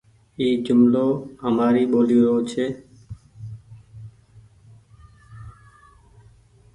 اي جملو همآري ٻولي رو ڇي۔